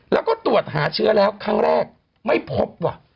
แล้วก็ตรวจหาเชื้อแล้วครั้งแรกไม่พบว่ะ